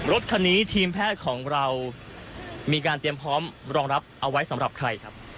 รถคันนี้ทีมแพทย์ของเรามีการเตรียมพร้อมรองรับเอาไว้สำหรับใครครับ